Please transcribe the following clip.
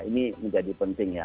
ini menjadi penting ya